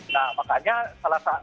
nah makanya salah satu